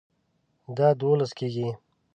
دا دوولس کیږي